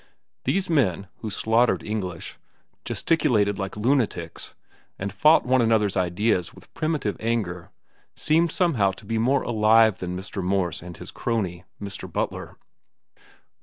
These men, who slaughtered English, gesticulated like lunatics, and fought one another's ideas with primitive anger, seemed somehow to be more alive than Mr. Morse and his crony, Mr. Butler.